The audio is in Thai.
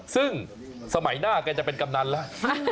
ซึ่งสมัยหน้ากันจะเป็นกับนั้นล่ะ